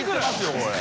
これ。